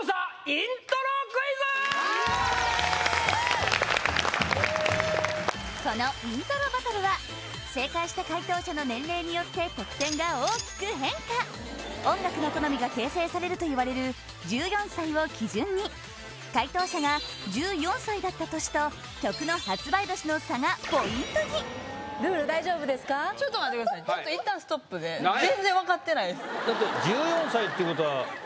イントロクイズこのイントロバトルは正解した解答者の年齢によって得点が大きく変化音楽の好みが形成されるといわれる１４歳を基準に解答者が１４歳だった年と曲の発売年の差がポイントにはい何やちょっと一旦ストップでだってうん？